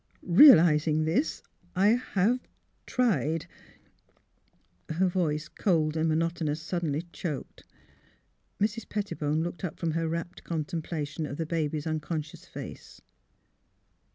Realising this, I have — tried " Her voice, cold and monotonous, suddenly choked. Mrs. Pettibone looked up from her rapt contemplation of the baby's unconscious face.